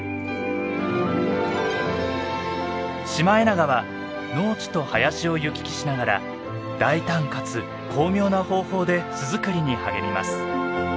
シマエナガは農地と林を行き来しながら大胆かつ巧妙な方法で巣作りに励みます。